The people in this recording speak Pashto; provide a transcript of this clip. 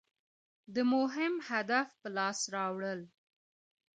د مهم هدف په لاس راوړل.